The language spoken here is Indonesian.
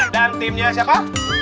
dan timnya siapa